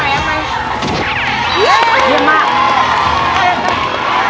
เยี่ยมมาก